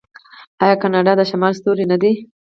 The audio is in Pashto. آیا کاناډا د شمال ستوری نه دی؟